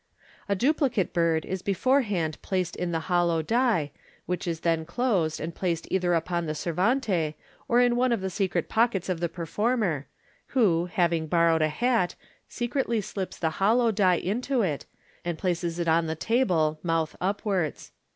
A duplicate bird is beforehand placed in the hollow die, which is then closed, and placed either upon the servante or in one of the secret pockets of the performer, who, having borrowed a hat, secretly slips the hollow die into it, and places it on the table mouth upwards.